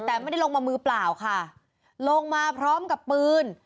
แต่ไม่ได้ลงมามือเปล่าค่ะลงมาพร้อมกับปืน